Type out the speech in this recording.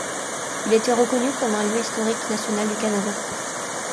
Il a été reconnu comme un lieu historique national du Canada.